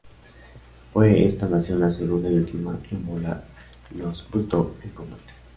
Fue esta nación la segunda y última en volar los Bulldog en combate.